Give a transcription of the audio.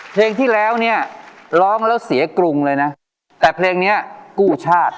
เพลงที่แล้วเนี่ยร้องแล้วเสียกรุงเลยนะแต่เพลงนี้กู้ชาติ